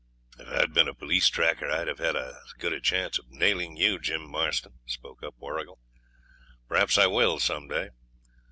'If I'd been a police tracker I'd have had as good a chance of nailing you, Jim Marston,' spoke up Warrigal. 'Perhaps I will some day.